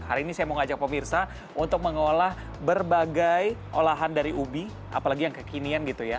hari ini saya mau ngajak pemirsa untuk mengolah berbagai olahan dari ubi apalagi yang kekinian gitu ya